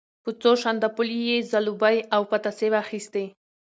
په څو شانداپولیو یې زلوبۍ او پتاسې واخیستې.